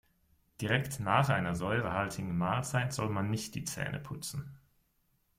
Direkt nach einer säurehaltigen Mahlzeit soll man nicht die Zähne putzen.